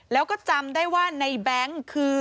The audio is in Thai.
แล้วก็จำได้ว่าในแบงค์คือ